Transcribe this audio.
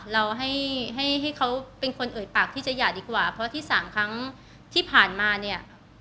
เราให้ให้เขาเป็นคนเอ่ยปากที่จะหย่าดีกว่าเพราะที่สามครั้งที่ผ่านมาเนี่ย